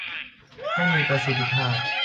ให้มีประสิทธิภาพ